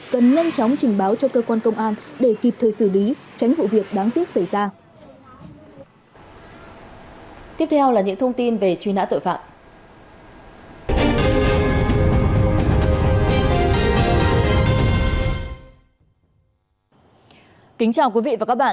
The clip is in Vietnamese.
cần nhanh chóng trình báo cho cơ quan công an để kịp thời xử lý tránh vụ việc đáng tiếc xảy ra tội phạm